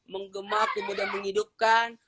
menggema kemudian menghidupkan